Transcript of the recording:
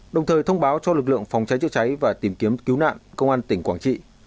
đồng thời thông báo cho lực lượng phòng cháy chữa cháy và tìm kiếm cứu nạn công an tỉnh quảng trị